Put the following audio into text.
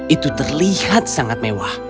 itu terlihat sangat mewah